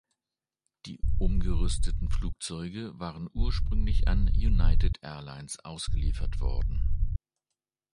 Die umgerüsteten Flugzeuge waren ursprünglich an United Air Lines ausgeliefert worden.